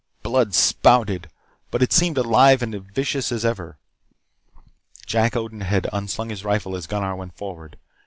Blood spouted, but it seemed as alive and vicious as ever. Jack Odin had unslung his rifle as Gunnar, went forward.